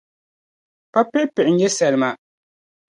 Pa piɣipiɣi n-nyɛ salima.